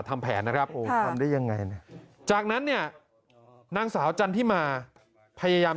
ทำแผนนะครับโอ้ทำได้ยังไงเนี่ยจากนั้นเนี่ยนางสาวจันทิมาพยายาม